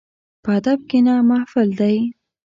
په ادب کښېنه، محفل دی.